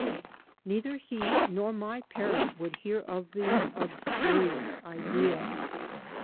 Neither he nor my parent would hear of the "absurd" idea.